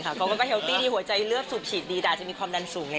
เขาก็ก็แฮลตี้ที่หัวใจเลือบสูบฉีดดีดาก็จะมีความดันสูงเล็ก